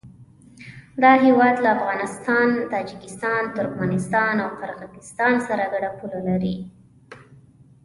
دا هېواد له افغانستان، تاجکستان، ترکمنستان او قرغیزستان سره ګډه پوله لري.